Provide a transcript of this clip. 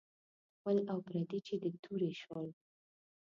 خپل او پردي چې د تورې شول.